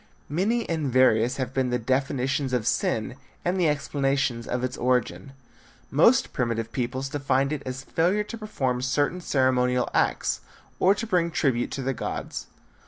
Many and various have been the definitions of sin and the explanations of its origin. Most primitive peoples defined it as failure to perform certain ceremonial acts, or to bring tribute to the gods.